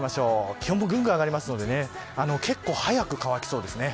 気温もぐんぐん上がりますので結構早く乾きそうです。